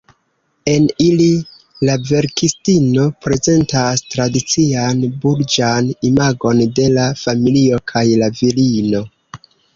En ili la verkistino prezentas tradician burĝan imagon de la familio kaj la virino.